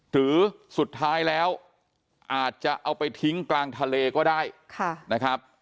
หรือสุดท้ายแล้วอาจจะเอาไปทิ้งกลางทะเลก็ได้นะครับ